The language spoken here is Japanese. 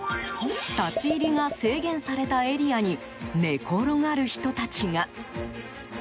立ち入りが制限されたエリアに寝転がる人たちが。